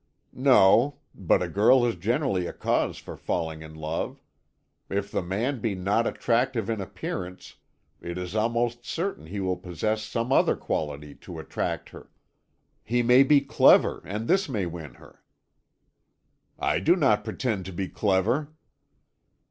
"No; but a girl has generally a cause for falling in love. If the man be not attractive in appearance, it is almost certain he will possess some other quality to attract her. He may be clever, and this may win her." "I do not pretend to be clever."